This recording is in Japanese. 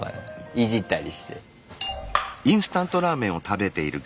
いじったりして。